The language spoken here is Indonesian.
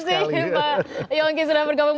terima kasih pak yongki sudah bergabung bersama kami